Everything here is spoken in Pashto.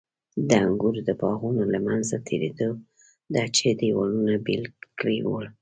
د انګورو د باغونو له منځه تېرېده چې دېوالونو بېل کړي ول.